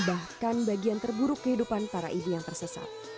bahkan bagian terburuk kehidupan para ibu yang tersesat